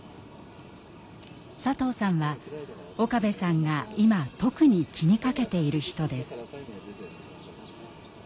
佐藤さんは岡部さんが今特に気にかけている人です。